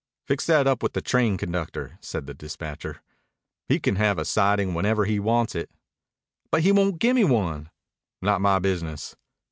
"Fix that up with the train conductor," said the dispatcher. "He can have a siding whenever he wants it." "But he won't gimme one." "Not my business."